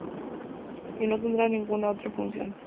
Y no tendrá ninguna otra función.